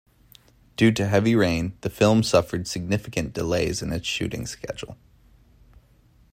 Due to heavy rain, the film suffered significant delays in its shooting schedule.